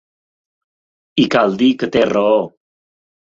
I cal dir que té raó.